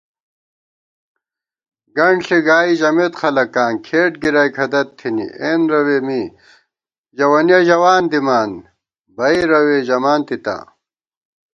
گنٹ ݪی گائی ژمېت خلَکاں، کھېٹ گِرَئیک ہَدَت تھنی * اېن روے می ژوَنِیَہ ژَوان دِمان، بئ روے ژَمان تِتا